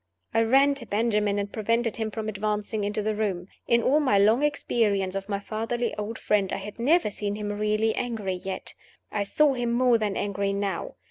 I ran to Benjamin, and prevented him from advancing into the room. In all my long experience of my fatherly old friend I had never seen him really angry yet. I saw him more than angry now.